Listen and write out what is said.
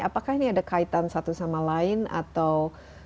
apakah ini ada kaitan satu sama lain atau